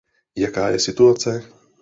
Jaká je situace?